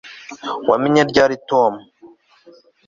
wamenye ryari tom